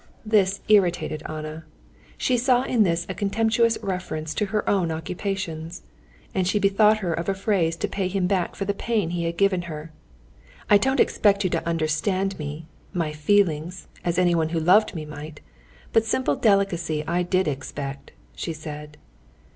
This irritated Anna. She saw in this a contemptuous reference to her occupations. And she bethought her of a phrase to pay him back for the pain he had given her. "I don't expect you to understand me, my feelings, as anyone who loved me might, but simple delicacy I did expect," she said.